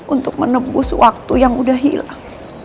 untuk menembus waktu yang udah hilang